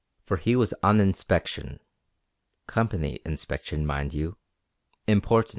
For he was on inspection. Company inspection, mind you. Important!